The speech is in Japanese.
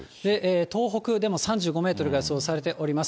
東北でも３５メートルが予想されております。